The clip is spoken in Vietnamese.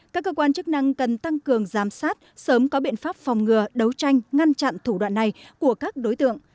các cơ quan chức năng cần tăng cường giám sát sớm có biện pháp phòng ngừa đấu tranh ngăn chặn thủ đoạn này của các đối tượng